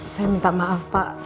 saya minta maaf pak